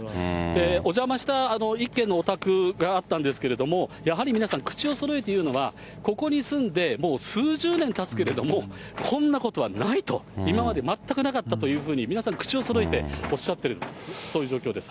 お邪魔した一軒のお宅があったんですけれども、やはり皆さん、口をそろえて言うのは、ここに住んでもう数十年たつけれども、こんなことはないと、今まで全くなかったというふうに皆さん、口をそろえておっしゃってる、そういう状況です。